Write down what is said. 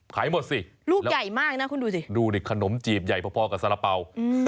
ขายหมดสิลูกใหญ่มากนะคุณดูสิก็ดูสิขนมจีบไย่ประวกับสาระเปาก